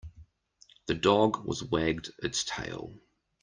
The dog was wagged its tail.